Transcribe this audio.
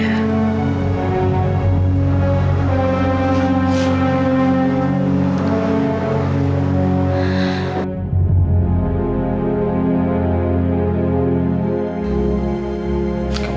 kamu suruh ke meine